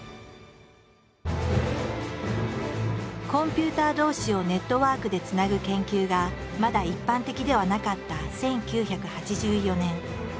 コンピューター同士をネットワークでつなぐ研究がまだ一般的ではなかった１９８４年。